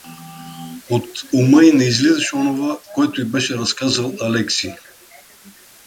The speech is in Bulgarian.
От ума й не излизаше онова, което й беше разказал Алекси.